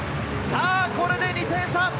これで２点差。